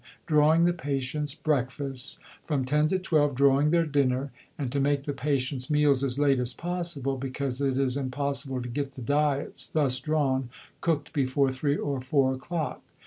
drawing the patients' breakfast, from 10 to 12, drawing their dinner and to make the patients' meals as late as possible because it is impossible to get the diets, thus drawn, cooked before 3 or 4 o'clock.